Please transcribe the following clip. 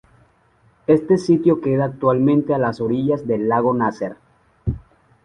Este sitio queda actualmente a orillas del Lago Nasser.